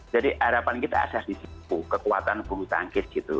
jadi harapan kita asas disitu kekuatan bulu tangkis gitu